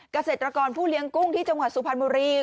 เกษตรกรผู้เลี้ยงกุ้งที่จังหวัดสุพรรณบุรี